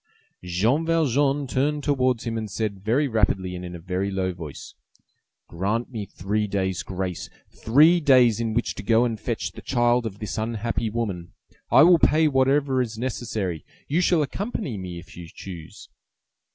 Jean Valjean turned towards him and said very rapidly and in a very low voice:— "Grant me three days' grace! three days in which to go and fetch the child of this unhappy woman. I will pay whatever is necessary. You shall accompany me if you choose."